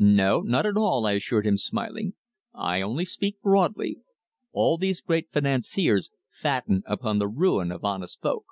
"No, not at all," I assured him, smiling. "I only speak broadly. All these great financiers fatten upon the ruin of honest folk."